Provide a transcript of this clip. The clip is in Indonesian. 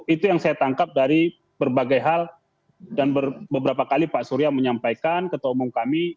itu yang saya tangkap dari berbagai hal dan beberapa kali pak surya menyampaikan ketua umum kami